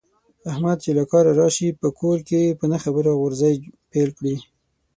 احمد چې له کاره راشي، په کور کې په نه خبره غورزی پیل کړي.